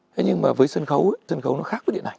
thế nhưng mà với sân khấu sân khấu nó khác với điện ảnh